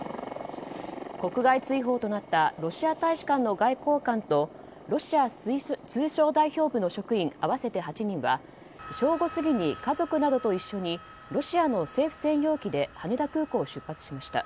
国外追放となったロシア大使館の外交官とロシア通商代表部の職員合わせて８人は正午過ぎに家族などと一緒にロシアの政府専用機で羽田空港を出発しました。